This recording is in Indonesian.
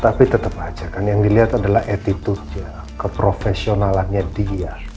tapi tetap aja kan yang dilihat adalah attitude nya keprofesionalannya dia